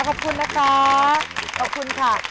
ขอบคุณนะคะขอบคุณค่ะ